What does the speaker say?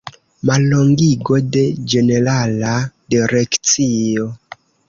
Mallongigo de Ĝenerala Direkcio.